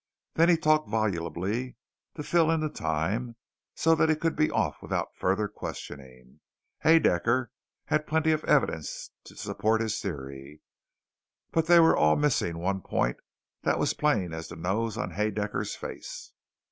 Then he talked volubly to fill in the time so that he could be off without further questioning. Haedaecker had plenty of evidence to support his theory, but they all were missing one point that was as plain as the nose on Haedaecker's face.